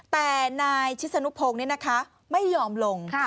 แต่นายชิศนุพงศ์ไม่ยอมลง